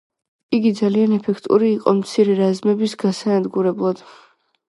იგი ძალიან ეფექტიანი იყო მცირე რაზმების გასანადგურებლად.